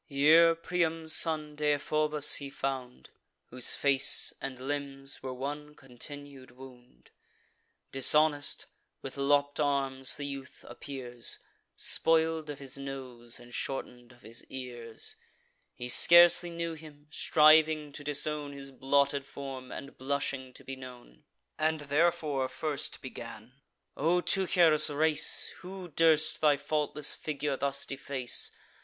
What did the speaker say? Here Priam's son, Deiphobus, he found, Whose face and limbs were one continued wound: Dishonest, with lopp'd arms, the youth appears, Spoil'd of his nose, and shorten'd of his ears. He scarcely knew him, striving to disown His blotted form, and blushing to be known; And therefore first began: "O Teucer's race, Who durst thy faultless figure thus deface?